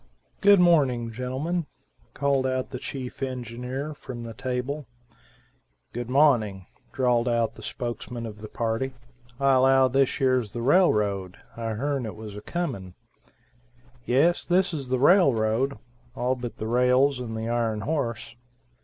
"Good morning; gentlemen," called out the chief engineer, from the table. "Good mawning," drawled out the spokesman of the party. "I allow thish yers the railroad, I heern it was a comin'." "Yes, this is the railroad; all but the rails and the ironhorse."